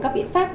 các biện pháp